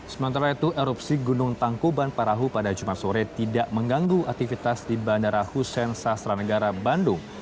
sementara itu erupsi gunung tangkuban parahu pada jumat sore tidak mengganggu aktivitas di bandara hussein sastra negara bandung